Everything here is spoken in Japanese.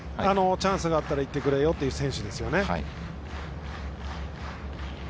チャンスがあったらいってくれよという選手ですね。